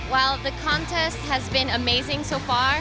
peselancar ini sangat menakjubkan